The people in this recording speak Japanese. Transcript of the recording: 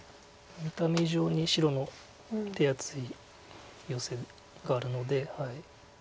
見た目以上に白の手厚いヨセがあるので。